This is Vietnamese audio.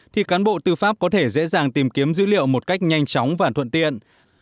thì cán bộ tư pháp có thể dễ dàng tìm kiếm dữ liệu một cách nhanh chóng và thuận tiện